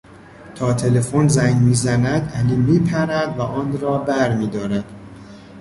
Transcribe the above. تا تلفن زنگ میزند علی میپرد و آن را بر میدارد.